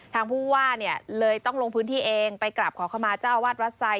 ทางผู้ว่าเนี่ยเลยต้องลงพื้นที่เองไปกลับขอเข้ามาเจ้าอาวาสวัดไซด